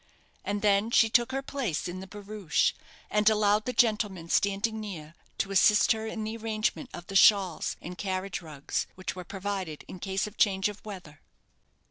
And then she took her place in the barouche, and allowed the gentlemen standing near to assist in the arrangement of the shawls and carriage rugs, which were provided in case of change of weather.